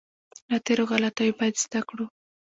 له تېرو غلطیو باید زده کړو.